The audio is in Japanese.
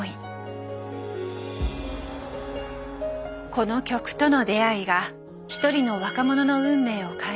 この曲との出会いが一人の若者の運命を変えた。